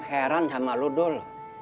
heran sama lu dul